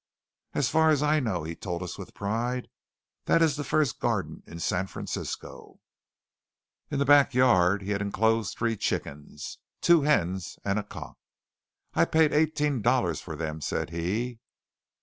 "As far as I know," he told us with pride, "that is the first garden in San Francisco." In the backyard he had enclosed three chickens two hens and a cock. "I paid eighteen dollars for them," said he.